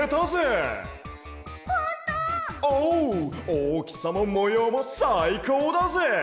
おおきさももようもさいこうだぜ！